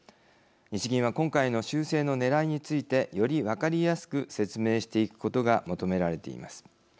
日銀は今回の修正のねらいについてより分かりやすく説明していくことが求められています。